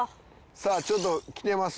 さあちょっと来てます。